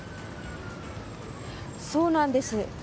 そうなんです。